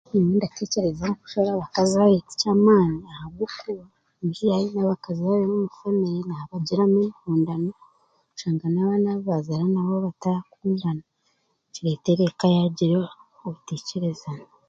Nyowe ndatekyereza okushwera abakazi babiri ti kyamaani ahabwokuba ... bagira okuhondana, oshanga n'abaana abu baazaara nabo batakundana, kireetera eka yaagira obutaikirizana.